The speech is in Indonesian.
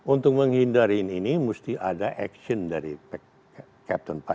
untuk menghindari ini mesti ada action dari captain part